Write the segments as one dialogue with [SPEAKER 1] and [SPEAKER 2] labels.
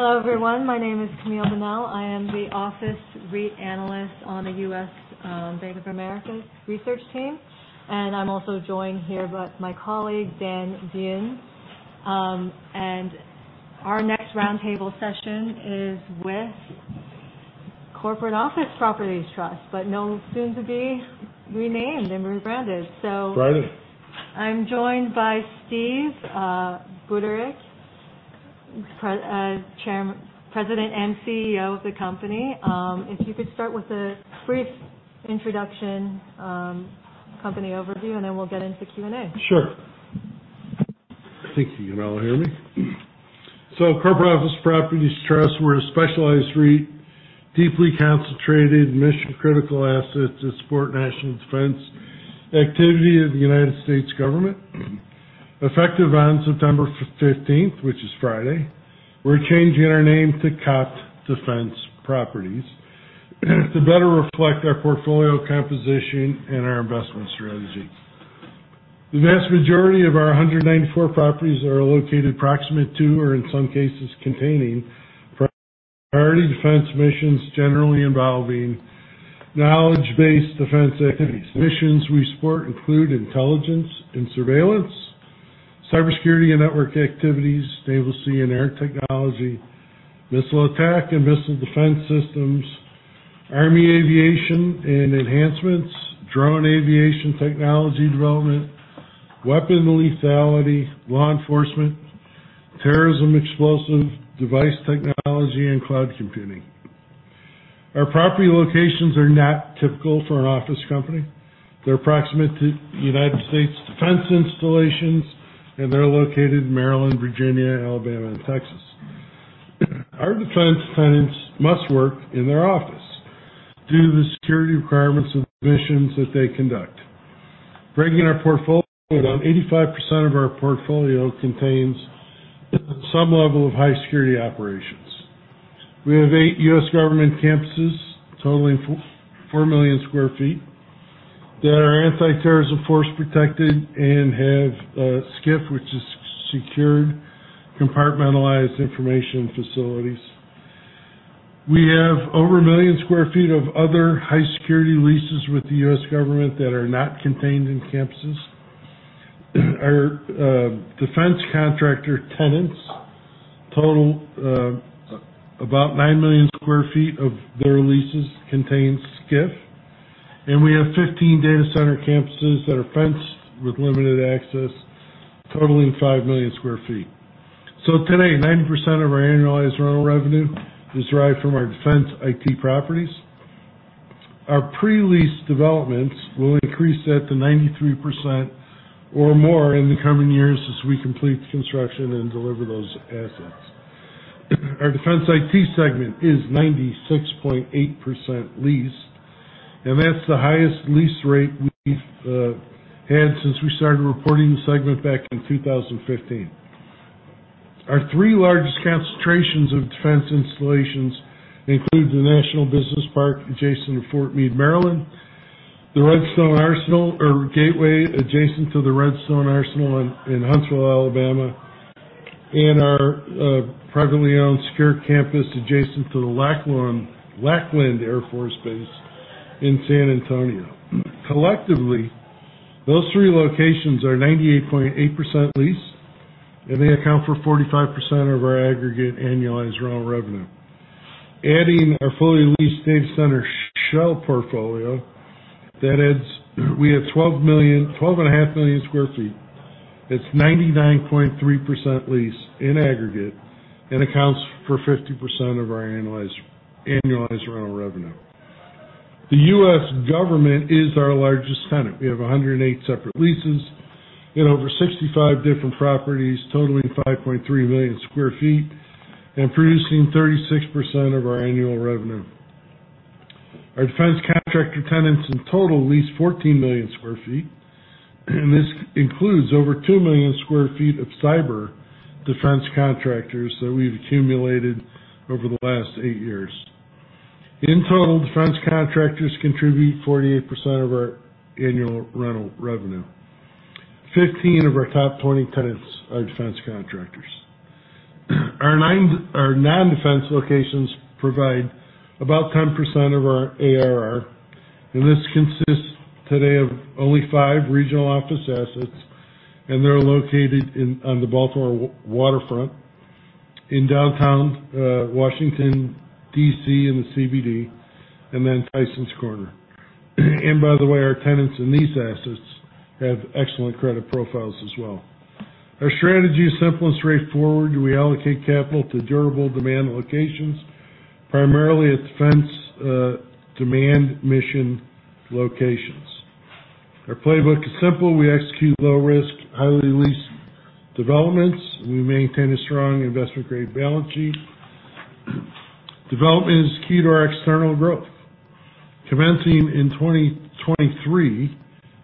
[SPEAKER 1] Hello, everyone. My name is Camille Bonnel. I am the office REIT analyst on the U.S., Bank of America research team, and I'm also joined here by my colleague, Dan Jin. And our next roundtable session is with Corporate Office Properties Trust, but known soon to be renamed and rebranded. So-
[SPEAKER 2] Right.
[SPEAKER 1] I'm joined by Steve Budorick, President and CEO of the company. If you could start with a brief introduction, company overview, and then we'll get into Q&A.
[SPEAKER 2] Sure. I think you can all hear me? So Corporate Office Properties Trust, we're a specialized REIT, deeply concentrated in mission-critical assets that support national defense activity of the United States government. Effective on September 15th, which is Friday, we're changing our name to COPT Defense Properties, to better reflect our portfolio composition and our investment strategy. The vast majority of our 194 properties are located proximate to, or in some cases, containing priority defense missions, generally involving knowledge-based defense activities. Missions we support include intelligence and surveillance, cybersecurity and network activities, naval, sea, air technology, missile attack and missile defense systems, army aviation and enhancements, drone aviation technology development, weapon lethality, law enforcement, terrorism, explosive device technology, and cloud computing. Our property locations are not typical for an office company. They're proximate to United States defense installations, and they're located in Maryland, Virginia, Alabama, and Texas. Our defense tenants must work in their office due to the security requirements of the missions that they conduct. Breaking our portfolio down, 85% of our portfolio contains some level of high security operations. We have 8 U.S. Government campuses, totaling 4 million sq ft, that are Anti-Terrorism Force Protection and have SCIF, which is Sensitive Compartmented Information Facilities. We have over 1 million sq ft of other high security leases with the U.S. Government that are not contained in campuses. Our defense contractor tenants total about 9 million sq ft of their leases contain SCIF, and we have 15 data center campuses that are fenced with limited access, totaling 5 million sq ft. So today, 90% of our annualized rental revenue is derived from our defense IT properties. Our pre-lease developments will increase that to 93% or more in the coming years as we complete the construction and deliver those assets. Our defense IT segment is 96.8% leased, and that's the highest lease rate we've had since we started reporting the segment back in 2015. Our three largest concentrations of defense installations include the National Business Park, adjacent to Fort Meade, Maryland, the Redstone Arsenal or Gateway, adjacent to the Redstone Arsenal in Huntsville, Alabama, and our privately owned secure campus, adjacent to the Lackland Air Force Base in San Antonio. Collectively, those three locations are 98.8% leased, and they account for 45% of our aggregate annualized rental revenue. Adding our fully leased data center shell portfolio, that adds, we have 12.5 million sq ft. That's 99.3% leased in aggregate and accounts for 50% of our annualized, annualized rental revenue. The U.S. government is our largest tenant. We have 108 separate leases in over 65 different properties, totaling 5.3 million sq ft and producing 36% of our annual revenue. Our defense contractor tenants, in total, lease 14 million sq ft, and this includes over 2 million sq ft of cyber defense contractors that we've accumulated over the last 8 years. In total, defense contractors contribute 48% of our annual rental revenue. 15 of our top 20 tenants are defense contractors. Our non-defense locations provide about 10% of our ARR, and this consists today of only 5 regional office assets, and they're located in, on the Baltimore waterfront, in downtown Washington, D.C., in the CBD, and then Tysons Corner. And by the way, our tenants in these assets have excellent credit profiles as well. Our strategy is simple and straightforward. We allocate capital to durable demand locations, primarily at defense demand mission locations. Our playbook is simple. We execute low risk, highly leased developments. We maintain a strong investment-grade balance sheet. Development is key to our external growth. Commencing in 2023,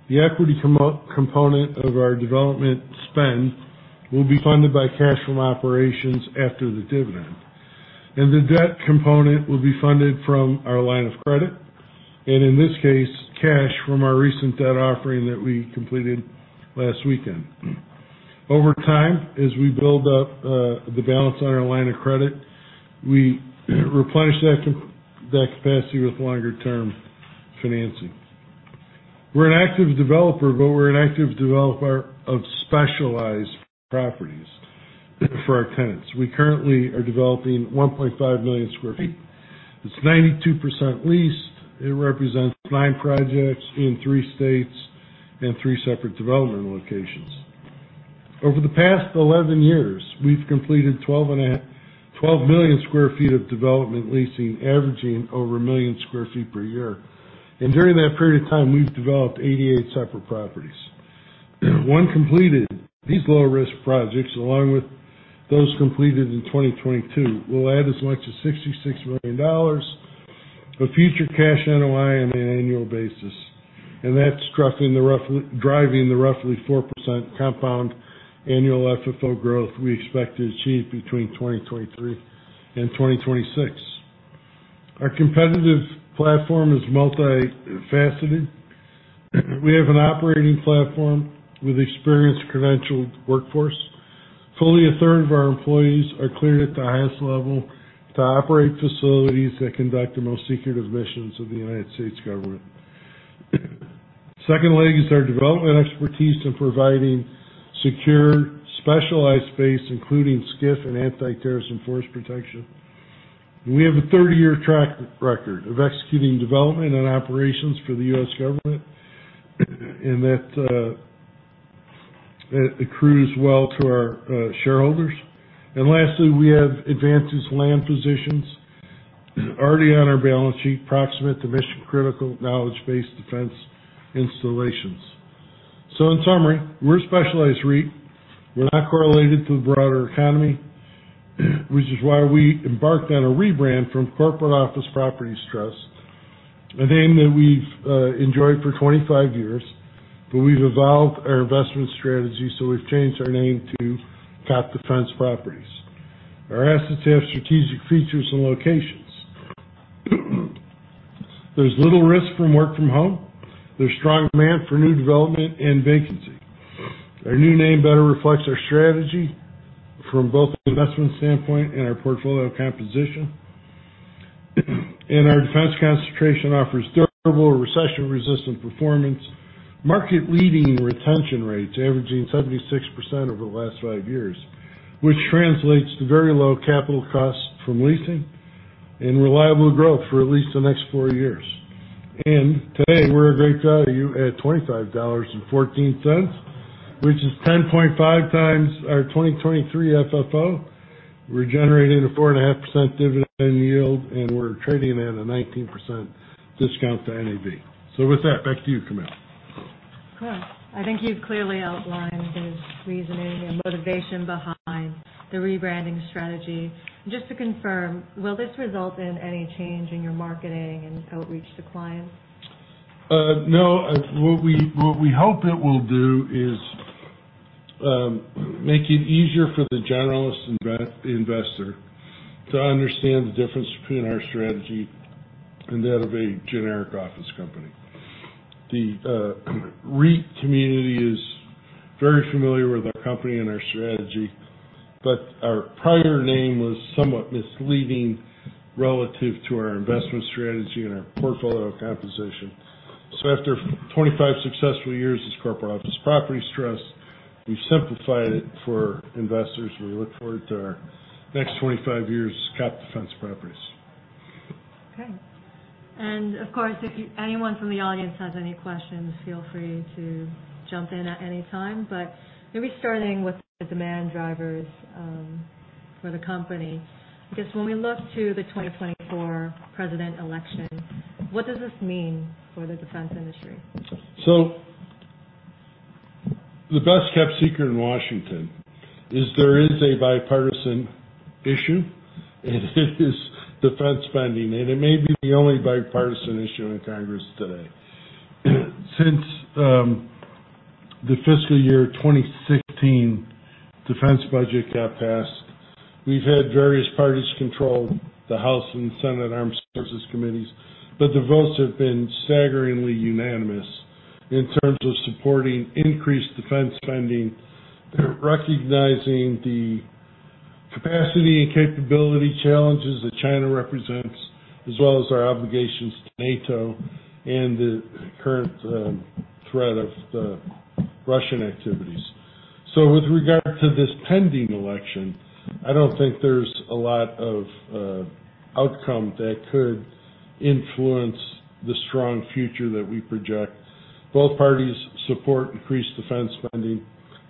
[SPEAKER 2] the equity component of our development spend will be funded by cash from operations after the dividend, and the debt component will be funded from our line of credit. And in this case, cash from our recent debt offering that we completed last weekend. Over time, as we build up the balance on our line of credit, we replenish that capacity with longer-term financing. We're an active developer, but we're an active developer of specialized properties for our tenants. We currently are developing 1.5 million sq ft. It's 92% leased. It represents nine projects in three states and three separate development locations. Over the past 11 years, we've completed 12.5--12 million sq ft of development leasing, averaging over 1 million sq ft per year. And during that period of time, we've developed 88 separate properties. When completed, these low-risk projects, along with those completed in 2022, will add as much as $66 million of future cash NOI on an annual basis, and that's driving the roughly 4% compound annual FFO growth we expect to achieve between 2023 and 2026. Our competitive platform is multifaceted. We have an operating platform with experienced, credentialed workforce. Fully 1/3 of our employees are cleared at the highest level to operate facilities that conduct the most secretive missions of the United States government. Secondly, is our development expertise in providing secure, specialized space, including SCIF and Anti-Terrorism Force Protection. We have a 30-year track record of executing development and operations for the U.S. government, and that accrues well to our shareholders. And lastly, we have advanced land positions already on our balance sheet, approximate to mission-critical, knowledge-based defense installations. So in summary, we're a specialized REIT. We're not correlated to the broader economy, which is why we embarked on a rebrand from Corporate Office Properties Trust, a name that we've enjoyed for 25 years, but we've evolved our investment strategy, so we've changed our name to COPT Defense Properties. Our assets have strategic features and locations. There's little risk from work from home. There's strong demand for new development and vacancy. Our new name better reflects our strategy from both an investment standpoint and our portfolio composition. Our defense concentration offers durable, recession-resistant performance, market-leading retention rates averaging 76% over the last five years, which translates to very low capital costs from leasing and reliable growth for at least the next four years. And today, we're a great value at $25.14, which is 10.5x our 2023 FFO. We're generating a 4.5% dividend yield, and we're trading at a 19% discount to NAV. With that, back to you, Camille.
[SPEAKER 1] Great. I think you've clearly outlined the reasoning and motivation behind the rebranding strategy. Just to confirm, will this result in any change in your marketing and outreach to clients?
[SPEAKER 2] No. What we hope it will do is make it easier for the generalist investor to understand the difference between our strategy and that of a generic office company. The REIT community is very familiar with our company and our strategy, but our prior name was somewhat misleading relative to our investment strategy and our portfolio composition. So after 25 successful years as Corporate Office Properties Trust, we've simplified it for investors. We look forward to our next 25 years as COPT Defense Properties.
[SPEAKER 1] Okay. And of course, if anyone from the audience has any questions, feel free to jump in at any time. But maybe starting with the demand drivers for the company, because when we look to the 2024 presidential election, what does this mean for the defense industry?
[SPEAKER 2] So the best-kept secret in Washington is there is a bipartisan issue, and it is defense spending, and it may be the only bipartisan issue in Congress today. Since the fiscal year 2016 defense budget got passed, we've had various parties control the House and Senate Armed Services Committees, but the votes have been staggeringly unanimous in terms of supporting increased defense spending, recognizing the capacity and capability challenges that China represents, as well as our obligations to NATO and the current threat of the Russian activities. So with regard to this pending election, I don't think there's a lot of outcome that could influence the strong future that we project. Both parties support increased defense spending.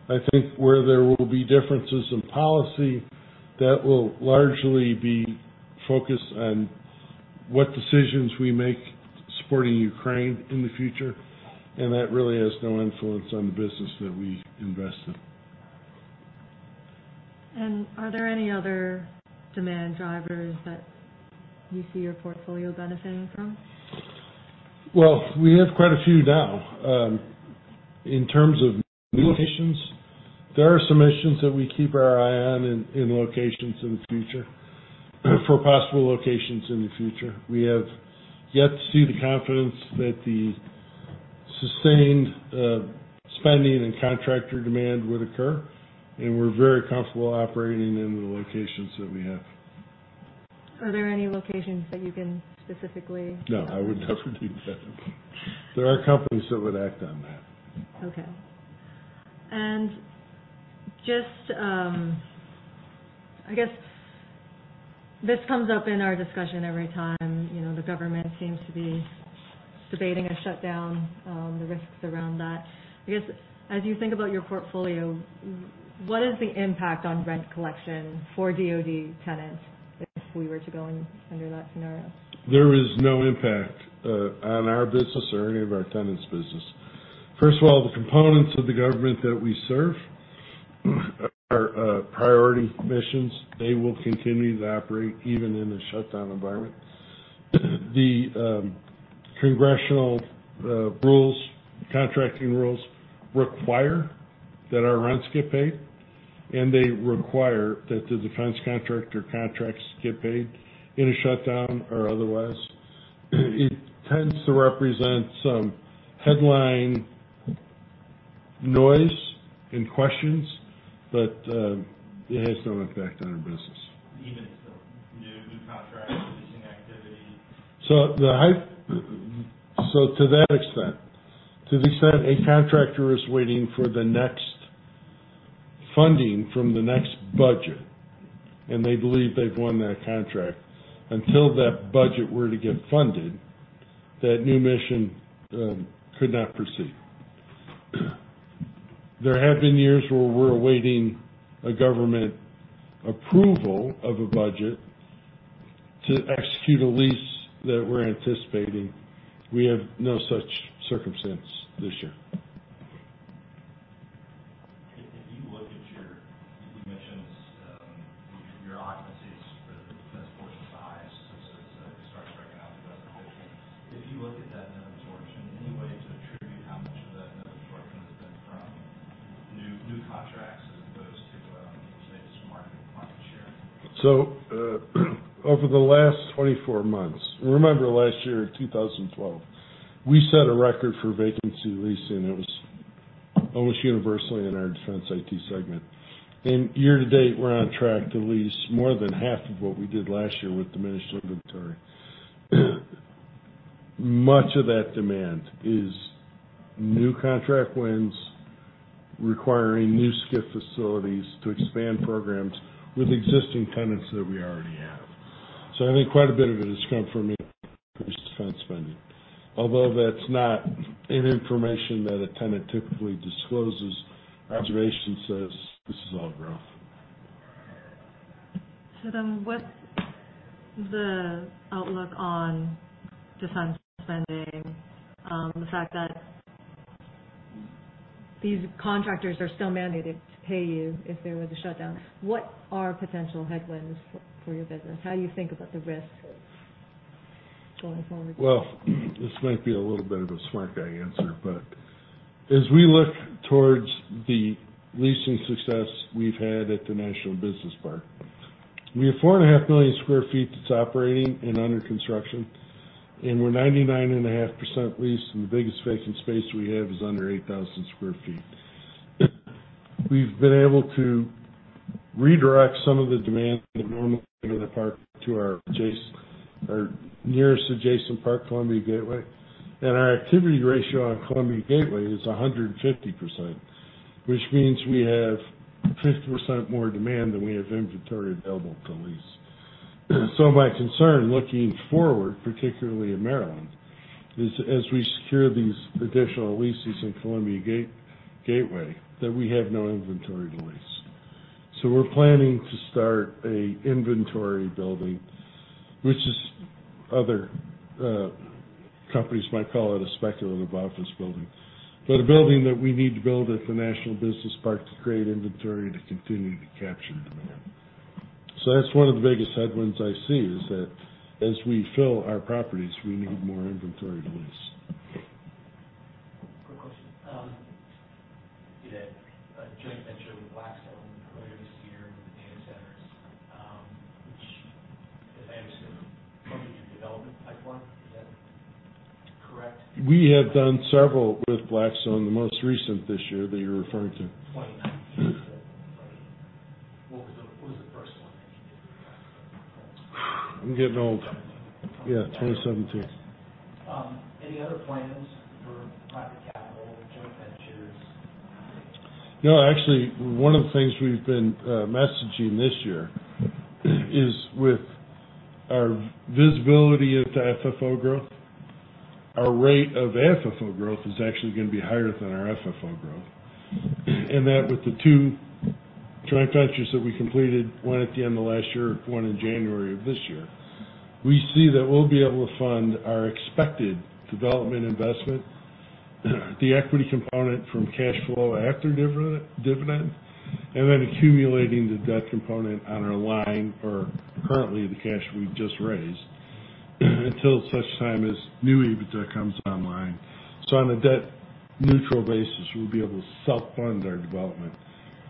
[SPEAKER 2] I think where there will be differences in policy, that will largely be focused on what decisions we make supporting Ukraine in the future, and that really has no influence on the business that we invest in.
[SPEAKER 1] Are there any other demand drivers that you see your portfolio benefiting from?
[SPEAKER 2] Well, we have quite a few now. In terms of new locations, there are some missions that we keep our eye on in locations in the future, for possible locations in the future. We have yet to see the confidence that the sustained spending and contractor demand would occur, and we're very comfortable operating in the locations that we have.
[SPEAKER 1] Are there any locations that you can specifically-
[SPEAKER 2] No, I would definitely not. There are companies that would act on that.
[SPEAKER 1] Okay. And just, I guess, this comes up in our discussion every time, you know, the government seems to be debating a shutdown, the risks around that. I guess, as you think about your portfolio, what is the impact on rent collection for DoD tenants, if we were to go in under that scenario?
[SPEAKER 2] There is no impact on our business or any of our tenants' business. First of all, the components of the government that we serve are priority missions. They will continue to operate even in a shutdown environment. The congressional rules, contracting rules require that our rents get paid, and they require that the defense contractor contracts get paid in a shutdown or otherwise. It tends to represent some headline noise and questions, but it has no impact on our business.
[SPEAKER 3] Even if the new contracts, leasing activity?
[SPEAKER 2] So to that extent, to the extent a contractor is waiting for the next funding from the next budget, and they believe they've won that contract, until that budget were to get funded, that new mission could not proceed. There have been years where we're awaiting a government approval of a budget to execute a lease that we're anticipating. We have no such circumstance this year.
[SPEAKER 3] If you look at your... You mentioned your occupancies for the Defense Force is highest since it started breaking out in 2015. If you look at that net absorption, any way to attribute how much of that net absorption has been from new, new contracts just market share?
[SPEAKER 2] So, over the last 24 months... Remember, last year, in 2012, we set a record for vacancy leasing. It was almost universally in our defense IT segment. And year to date, we're on track to lease more than half of what we did last year with diminished inventory. Much of that demand is new contract wins, requiring new SCIF facilities to expand programs with existing tenants that we already have. So I think quite a bit of it has come from increased defense spending. Although that's not any information that a tenant typically discloses, observation says this is all growth.
[SPEAKER 1] What's the outlook on defense spending? The fact that these contractors are still mandated to pay you if there were to shut down, what are potential headwinds for your business? How do you think about the risks going forward?
[SPEAKER 2] Well, this might be a little bit of a smart guy answer, but as we look towards the leasing success we've had at the National Business Park, we have 4.5 million sq ft that's operating and under construction, and we're 99.5% leased, and the biggest vacant space we have is under 8,000 sq ft. We've been able to redirect some of the demand in the normal part to our adjacent, our nearest adjacent park, Columbia Gateway. And our activity ratio on Columbia Gateway is 150%, which means we have 50% more demand than we have inventory available to lease. So my concern looking forward, particularly in Maryland, is as we secure these additional leases in Columbia Gateway, that we have no inventory to lease. So we're planning to start an inventory building, which other companies might call a speculative office building. But a building that we need to build at the National Business Park to create inventory to continue to capture demand. So that's one of the biggest headwinds I see, is that as we fill our properties, we need more inventory to lease.
[SPEAKER 3] Quick question. You had a joint venture with Blackstone earlier this year in the data centers, which, if I understand, funded your development pipeline. Is that correct?
[SPEAKER 2] We have done several with Blackstone, the most recent this year that you're referring to.
[SPEAKER 3] 20... What was the, what was the first one?
[SPEAKER 2] I'm getting old. Yeah, 2017.
[SPEAKER 3] Any other plans for private capital or joint ventures?
[SPEAKER 2] No, actually, one of the things we've been messaging this year is with our visibility into FFO growth, our rate of FFO growth is actually gonna be higher than our FFO growth. And that with the two joint ventures that we completed, one at the end of last year and one in January of this year, we see that we'll be able to fund our expected development investment, the equity component from cash flow after dividend, and then accumulating the debt component on our line or currently the cash we've just raised until such time as new EBITDA comes online. So on a debt neutral basis, we'll be able to self-fund our development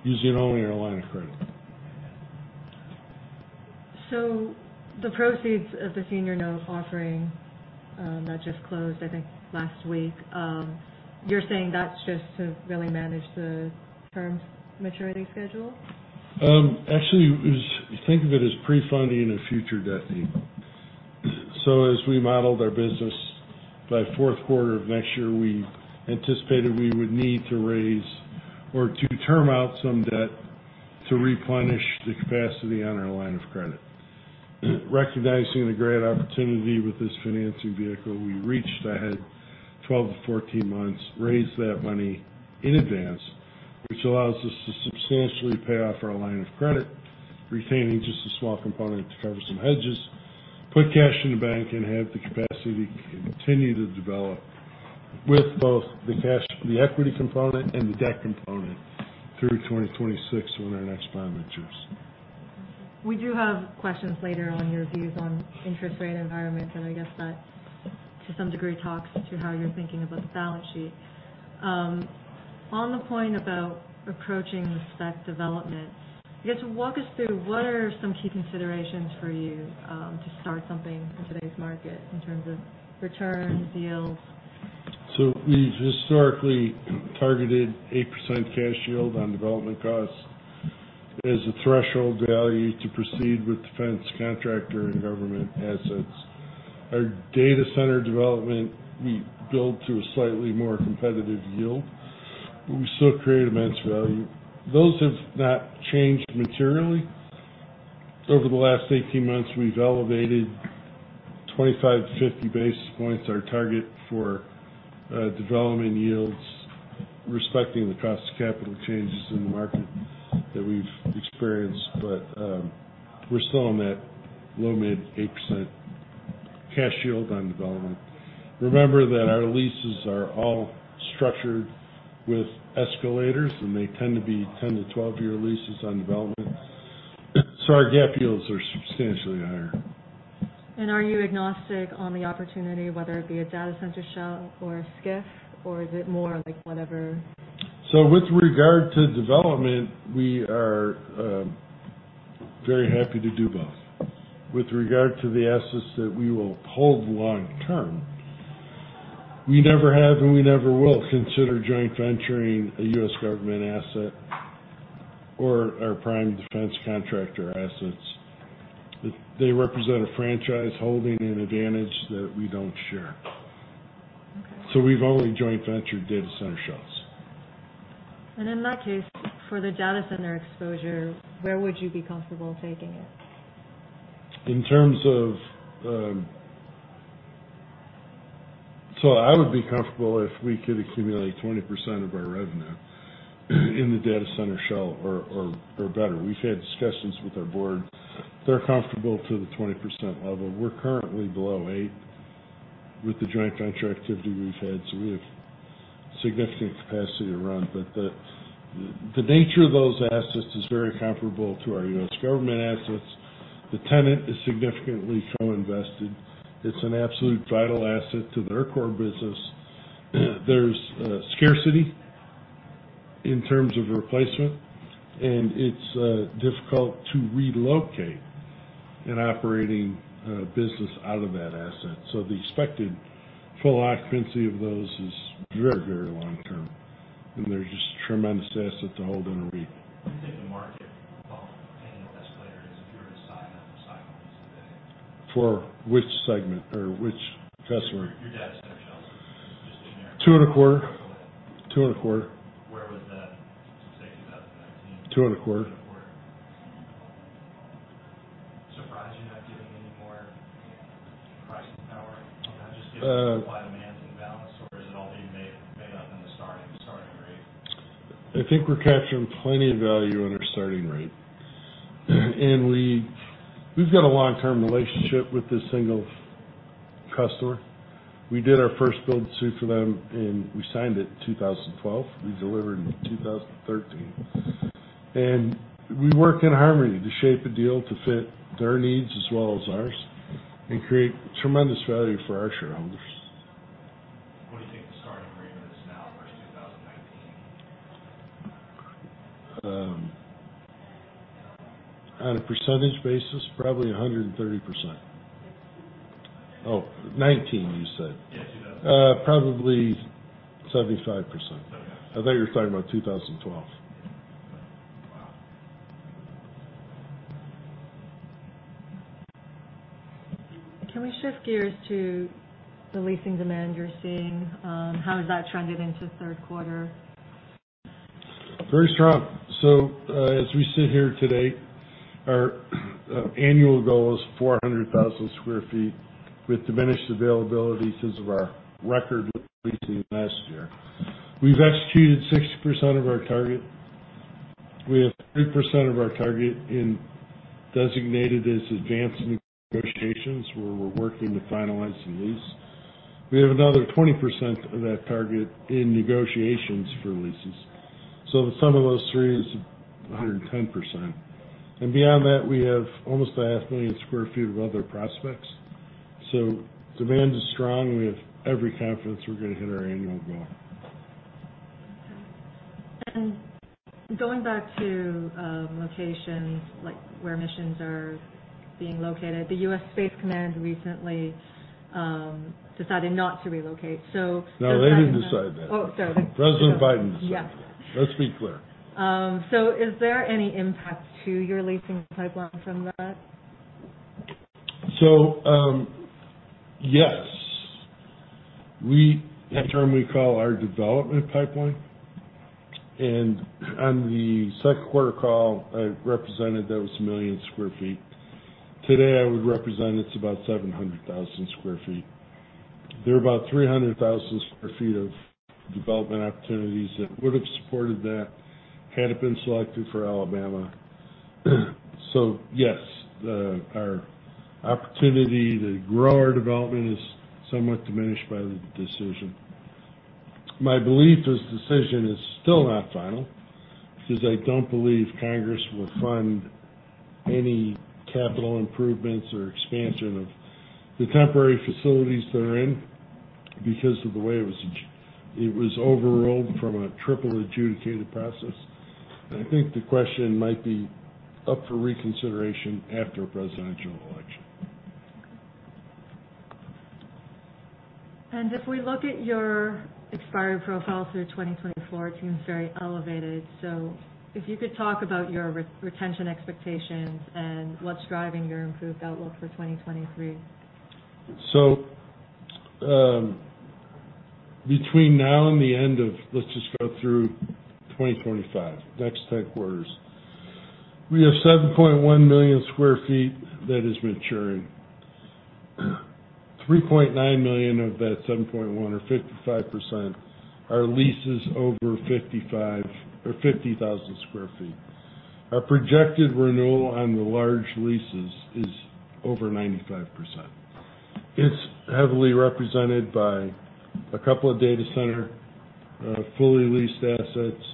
[SPEAKER 2] using only our line of credit.
[SPEAKER 1] So the proceeds of the senior note offering that just closed, I think last week, you're saying that's just to really manage the terms maturity schedule?
[SPEAKER 2] Actually, think of it as pre-funding a future debt need. So as we modeled our business, by fourth quarter of next year, we anticipated we would need to raise or to term out some debt to replenish the capacity on our line of credit. Recognizing the great opportunity with this financing vehicle, we reached ahead 12-14 months, raised that money in advance, which allows us to substantially pay off our line of credit, retaining just a small component to cover some hedges, put cash in the bank, and have the capacity to continue to develop with both the cash, the equity component, and the debt component through 2026, when our next bond matures.
[SPEAKER 1] We do have questions later on your views on interest rate environment, and I guess that, to some degree, talks to how you're thinking about the balance sheet. On the point about approaching the spec development, I guess, walk us through what are some key considerations for you, to start something in today's market in terms of returns, yields?
[SPEAKER 2] So we've historically targeted 8% cash yield on development costs as a threshold value to proceed with defense contractor and government assets. Our data center development, we build to a slightly more competitive yield, but we still create immense value. Those have not changed materially. Over the last 18 months, we've elevated 25-50 basis points, our target for development yields, respecting the cost of capital changes in the market that we've experienced. But we're still on that low, mid-8% cash yield on development. Remember that our leases are all structured with escalators, and they tend to be 10 to 12-year leases on development. So our GAAP yields are substantially higher.
[SPEAKER 1] Are you agnostic on the opportunity, whether it be a data center shell or a SCIF, or is it more like whatever?
[SPEAKER 2] So with regard to development, we are very happy to do both. With regard to the assets that we will hold long term, we never have, and we never will consider joint venturing a U.S. government asset or our prime defense contractor assets. They represent a franchise holding an advantage that we don't share.
[SPEAKER 1] Okay.
[SPEAKER 2] We've only joint ventured data center shells.
[SPEAKER 1] In that case, for the data center exposure, where would you be comfortable taking it?
[SPEAKER 2] In terms of, So I would be comfortable if we could accumulate 20% of our revenue, in the data center shell or, or, or better. We've had discussions with our board. They're comfortable to the 20% level. We're currently below 8% with the joint venture activity we've had, so we have significant capacity to run. But the nature of those assets is very comparable to our U.S. government assets. The tenant is significantly co-invested. It's an absolute vital asset to their core business. There's scarcity in terms of replacement, and it's difficult to relocate an operating business out of that asset. So the expected full occupancy of those is very, very long term, and they're just a tremendous asset to hold in a REIT.
[SPEAKER 4] Do you think the market annual escalator is a pure sign of the cycle today?
[SPEAKER 2] For which segment or which customer?
[SPEAKER 4] Your data center shelves, just generic.
[SPEAKER 2] 2012? 2012?
[SPEAKER 4] Where was that, say, in 2019?
[SPEAKER 2] 2012?
[SPEAKER 4] Surprised you're not getting any more pricing power? Not just given the supply and demand imbalance, or is it all being made up in the starting rate?
[SPEAKER 2] I think we're capturing plenty of value on our starting rate. And we, we've got a long-term relationship with this single customer. We did our first build suit for them, and we signed it in 2012. We delivered in 2013. And we work in harmony to shape a deal to fit their needs as well as ours, and create tremendous value for our shareholders.
[SPEAKER 4] What do you think the starting rate is now versus 2019?
[SPEAKER 2] On a percentage basis, probably 130%. Oh, 19, you said.
[SPEAKER 4] Yeah, 2019.
[SPEAKER 2] Probably 75%.
[SPEAKER 4] Okay.
[SPEAKER 2] I thought you were talking about 2012.
[SPEAKER 4] Wow!
[SPEAKER 1] Can we shift gears to the leasing demand you're seeing? How has that trended into the third quarter?
[SPEAKER 2] Very strong. So, as we sit here today, our annual goal is 400,000 sq ft, with diminished availability because of our record leasing last year. We've executed 60% of our target. We have 3% of our target is designated as advanced negotiations, where we're working to finalize the lease. We have another 20% of that target in negotiations for leases. So the sum of those three is 110%. And beyond that, we have almost a half million sq ft of other prospects. So demand is strong. We have every confidence we're gonna hit our annual goal.
[SPEAKER 1] Okay. Going back to locations like where missions are being located, the U.S. Space Command recently decided not to relocate, so-
[SPEAKER 2] No, they didn't decide that.
[SPEAKER 1] Oh, sorry.
[SPEAKER 2] President Biden decided that.
[SPEAKER 1] Yes.
[SPEAKER 2] Let's be clear.
[SPEAKER 1] Is there any impact to your leasing pipeline from that?
[SPEAKER 2] So, yes. We, in turn, we call our development pipeline, and on the second quarter call, I represented that was 1 million sq ft. Today, I would represent it's about 700,000 sq ft. There are about 300,000 sq ft of development opportunities that would have supported that, had it been selected for Alabama. So yes, our opportunity to grow our development is somewhat diminished by the decision. My belief is, the decision is still not final, because I don't believe Congress will fund any capital improvements or expansion of the temporary facilities they're in, because of the way it was overruled from a triple adjudicated process. And I think the question might be up for reconsideration after a presidential election.
[SPEAKER 1] If we look at your expiration profile through 2024, it seems very elevated. If you could talk about your retention expectations and what's driving your improved outlook for 2023.
[SPEAKER 2] So, between now and the end of 2025. Let's just go through 2025, the next 10 quarters. We have 7.1 million sq ft that is maturing. 3.9 million of that 7.1, or 55%, are leases over 55,000 sq ft. Our projected renewal on the large leases is over 95%. It's heavily represented by a couple of data center fully leased assets,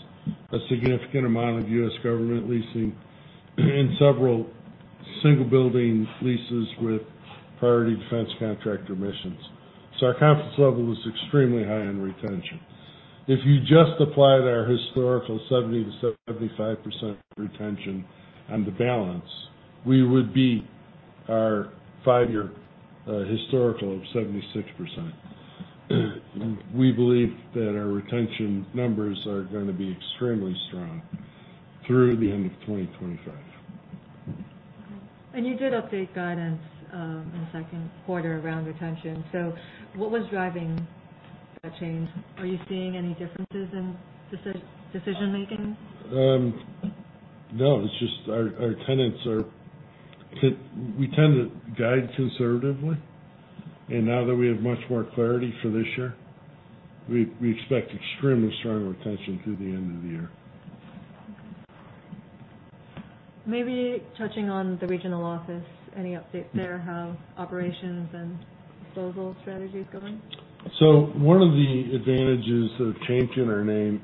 [SPEAKER 2] a significant amount of U.S. government leasing, and several single building leases with priority defense contractor missions. So our confidence level is extremely high on retention. If you just applied our historical 70%-75% retention on the balance, we would be our five-year historical of 76%. We believe that our retention numbers are gonna be extremely strong through the end of 2025.
[SPEAKER 1] You did update guidance in the second quarter around retention. So what was driving that change? Are you seeing any differences in decision making?
[SPEAKER 2] No. It's just our tenants are... We tend to guide conservatively, and now that we have much more clarity for this year, we expect extremely strong retention through the end of the year.
[SPEAKER 1] Maybe touching on the regional office, any updates there, how operations and disposal strategy is going?
[SPEAKER 2] So one of the advantages of changing our name,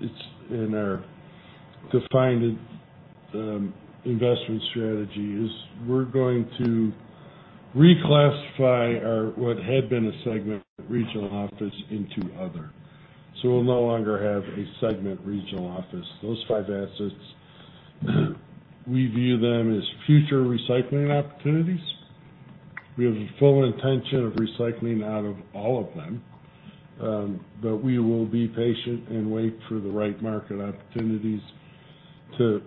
[SPEAKER 2] it's in our defined investment strategy, is we're going to reclassify our what had been a segment of regional office into other. So we'll no longer have a segment regional office. Those five assets, we view them as future recycling opportunities. We have a full intention of recycling out of all of them, but we will be patient and wait for the right market opportunities to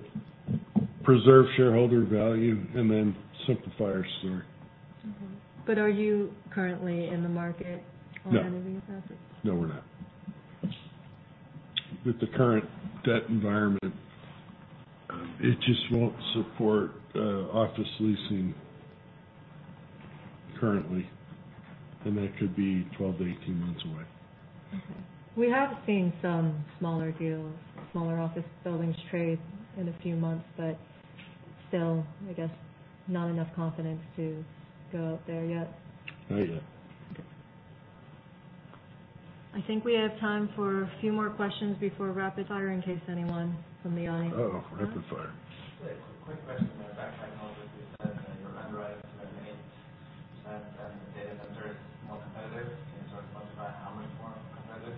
[SPEAKER 2] preserve shareholder value and then simplify our story.
[SPEAKER 1] Mm-hmm. Are you currently in the market for removing assets?
[SPEAKER 2] No, we're not. With the current debt environment, it just won't support office leasing currently, and that could be 12-18 months away.
[SPEAKER 1] Mm-hmm. We have seen some smaller deals, smaller office buildings trade in a few months, but still, I guess, not enough confidence to go out there yet.
[SPEAKER 2] Not yet.
[SPEAKER 1] Okay. I think we have time for a few more questions before rapid fire, in case anyone from the audience-
[SPEAKER 2] Uh-oh, rapid fire.
[SPEAKER 5] ...your underwriting to many data centers is more competitive. Can you talk about how much more competitive?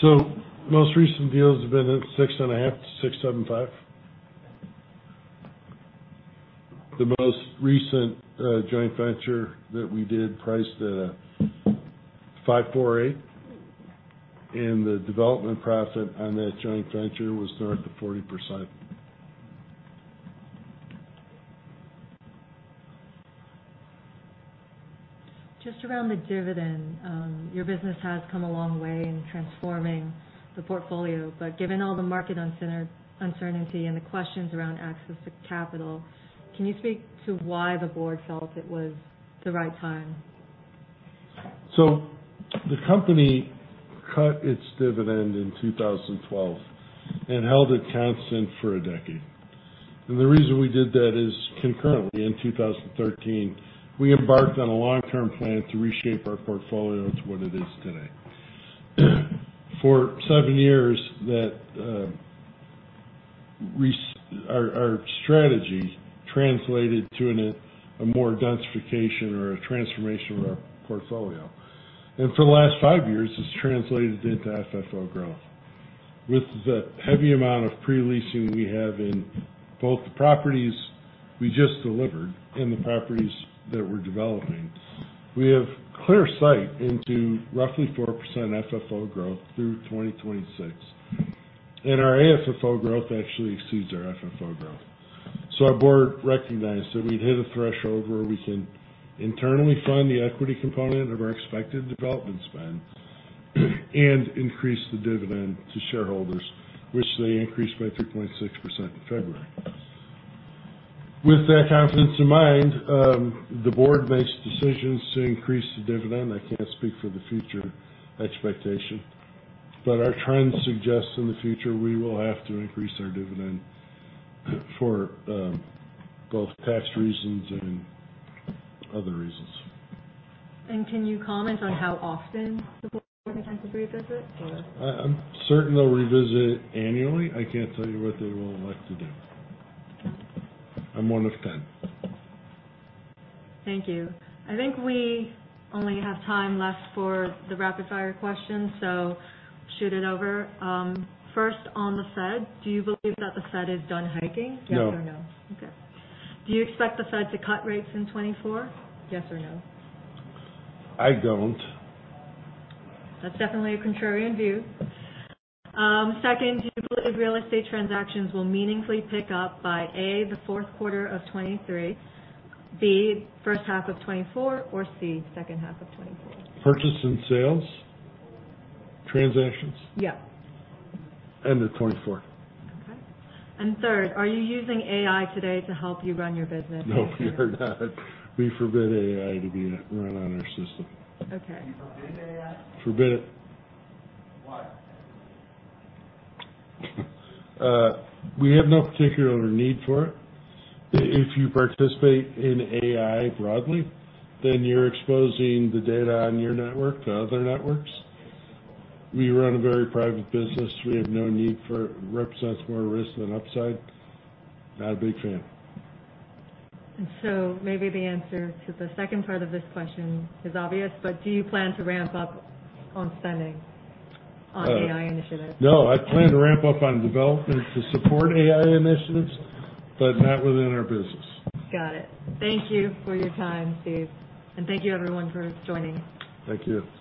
[SPEAKER 2] So most recent deals have been at 6.5%-6.75%. The most recent joint venture that we did priced at a 5.48%, and the development profit on that joint venture was north of 40%.
[SPEAKER 1] Just around the dividend, your business has come a long way in transforming the portfolio, but given all the market uncertainty and the questions around access to capital, can you speak to why the board felt it was the right time?
[SPEAKER 2] So the company cut its dividend in 2012 and held it constant for a decade. The reason we did that is concurrently in 2013, we embarked on a long-term plan to reshape our portfolio to what it is today. For seven years, that our strategy translated to a more densification or a transformation of our portfolio. For the last five years, it's translated into FFO growth. With the heavy amount of pre-leasing we have in both the properties we just delivered and the properties that we're developing, we have clear sight into roughly 4% FFO growth through 2026, and our AFFO growth actually exceeds our FFO growth. Our board recognized that we'd hit a threshold where we can internally fund the equity component of our expected development spend, and increase the dividend to shareholders, which they increased by 3.6% in February. With that confidence in mind, the board makes decisions to increase the dividend. I can't speak for the future expectation, but our trend suggests in the future, we will have to increase our dividend for both tax reasons and other reasons.
[SPEAKER 1] Can you comment on how often the board intends to revisit or?
[SPEAKER 2] I'm certain they'll revisit annually. I can't tell you what they will elect to do. I'm one of ten.
[SPEAKER 1] Thank you. I think we only have time left for the rapid-fire questions, so shoot it over. First, on the Fed, do you believe that the Fed is done hiking?
[SPEAKER 2] No.
[SPEAKER 1] Yes or no? Okay. Do you expect the Fed to cut rates in 2024? Yes or no.
[SPEAKER 2] I don't.
[SPEAKER 1] That's definitely a contrarian view. Second, do you believe real estate transactions will meaningfully pick up by, A, the fourth quarter of 2023, B, first half of 2024, or C, second half of 2024?
[SPEAKER 2] Purchase and sales transactions?
[SPEAKER 1] Yeah.
[SPEAKER 2] End of 2024.
[SPEAKER 1] Okay. And third, are you using AI today to help you run your business?
[SPEAKER 2] No, we are not. We forbid AI to be run on our system.
[SPEAKER 1] Okay.
[SPEAKER 3] You forbid AI?
[SPEAKER 2] Forbid it.
[SPEAKER 3] Why?
[SPEAKER 2] We have no particular need for it. If you participate in AI broadly, then you're exposing the data on your network to other networks. We run a very private business. We have no need for it. Represents more risk than upside. Not a big fan.
[SPEAKER 1] Maybe the answer to the second part of this question is obvious, but do you plan to ramp up on spending on AI initiatives?
[SPEAKER 2] No, I plan to ramp up on development to support AI initiatives, but not within our business.
[SPEAKER 1] Got it. Thank you for your time, Steve, and thank you, everyone, for joining.
[SPEAKER 2] Thank you.